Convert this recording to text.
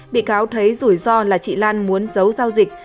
bị cáo thấy rủi ro là chị lan muốn giấu giao dịch